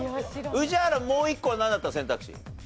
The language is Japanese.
宇治原もう一個は何だったの選択肢。